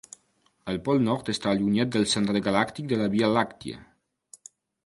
El Pol Nord està allunyat del centre galàctic de la Via Làctia.